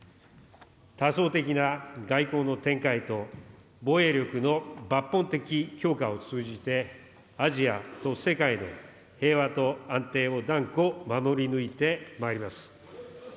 多層的な外交の展開と、防衛力の抜本的強化を通じて、アジアと世界の平和と安定を断固守り抜いてまいります。